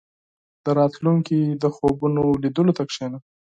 • د راتلونکي د خوبونو لیدلو ته کښېنه.